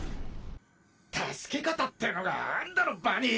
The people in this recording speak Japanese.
助け方ってのがあんだろバニー！